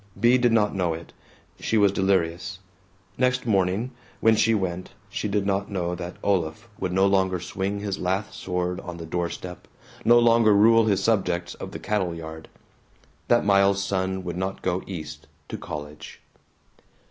Bea did not know it. She was delirious. Next morning, when she went, she did not know that Olaf would no longer swing his lath sword on the door step, no longer rule his subjects of the cattle yard; that Miles's son would not go East to college.